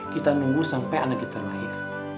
kita nunggu sampai anak kita lahir